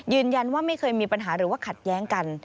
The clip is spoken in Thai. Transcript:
ยืนยันว่าไม่เคยมีปัญหาหรือว่าขัดแย้งกัน